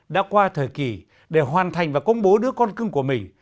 đã qua thời kỳ để hoàn thành và công bố đứa con cưng của mình